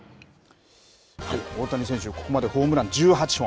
大谷選手、ここまでホームラン１８本。